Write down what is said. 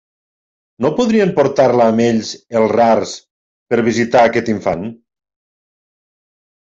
No podrien portar-la amb ells els rars per visitar aquest infant?